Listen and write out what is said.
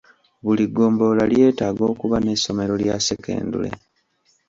Buli ggombolola lyetaaga okuba n'essomero lya ssekendule.